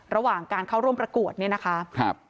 ระหว่างการเข้าร่วมประกวดเนี่ยนะคะครับ